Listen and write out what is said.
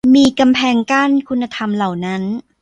มีกำแพงกั้นคุณธรรมเหล่านั้น